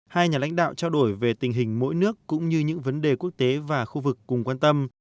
hai nhà lãnh đạo trao đổi về tình hình mỗi nước cũng như những vấn đề quốc tế và khu vực cùng quan tâm